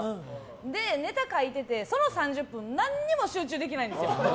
で、ネタ書いててその３０分何も集中できないんですよ。